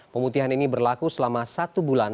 pemutihan ini berlaku selama satu bulan